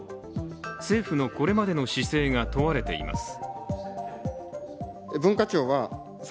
政府のこれまでの姿勢が問われています。